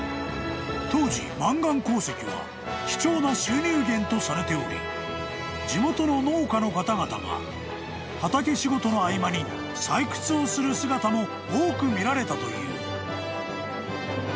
［当時マンガン鉱石は貴重な収入源とされており地元の農家の方々が畑仕事の合間に採掘をする姿も多く見られたという］